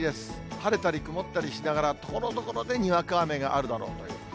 晴れたり曇ったりしながら、ところどころでにわか雨があるだろうという。